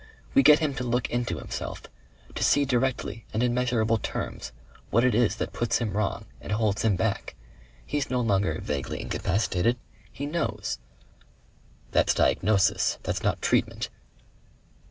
We get him to look into himself, to see directly and in measurable terms what it is that puts him wrong and holds him back. He's no longer vaguely incapacitated. He knows." "That's diagnosis. That's not treatment."